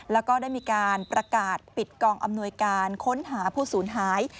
แล้วก็ได้มีการประกาศปิดกองอำนวยการค้นหาผู้สูญหาย